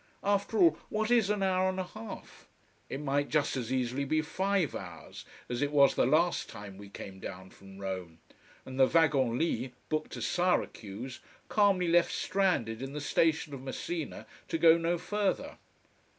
After all, what is an hour and a half? It might just as easily be five hours, as it was the last time we came down from Rome. And the wagon lit, booked to Syracuse, calmly left stranded in the station of Messina, to go no further.